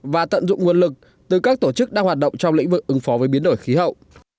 và tận dụng nguồn lực từ các tổ chức đang hoạt động trong lĩnh vực ứng phó với biến đổi khí hậu